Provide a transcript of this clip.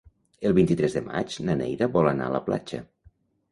El vint-i-tres de maig na Neida vol anar a la platja.